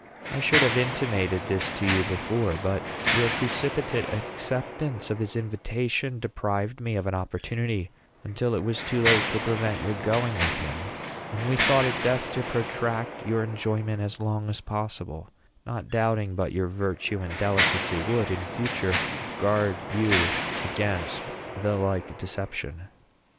I should have intimated this to you before; but your precipitate acceptance of his invitation deprived me of an opportunity until it was too late to prevent your going with him; and we thought it best to protract your enjoyment as long as possible, not doubting but your virtue and delicacy would, in future, guard you against the like deception."